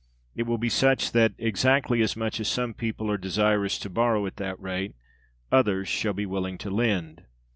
It will be such that, exactly as much as some people are desirous to borrow at that rate, others shall be willing to lend.